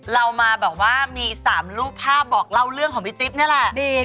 เรามาแบบว่ามี๓รูปภาพบอกเล่าเรื่องของพี่จิ๊บนี่แหละ